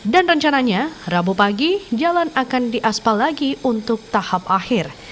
dan rencananya rabu pagi jalan akan diaspal lagi untuk tahap akhir